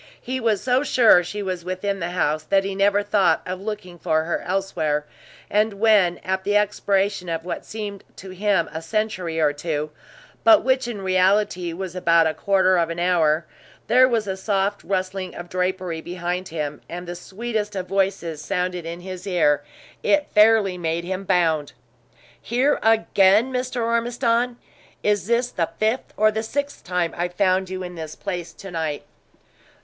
He was so sure she was within the house, that he never thought of looking for her elsewhere; and when, at the expiration of what seemed to him a century or two, but which in reality was about a quarter of an hour, there was a soft rustling of drapery behind him, and the sweetest of voices sounded in his ear, it fairly made him bound. "Here again, Mr. Ormiston? Is this the fifth or sixth time I've found you in this place to night?"